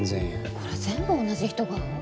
これ全部同じ人が？